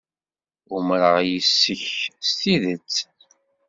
Umreɣ yes-k s tidet.